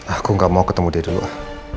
aku gak mau ketemu dia dulu ah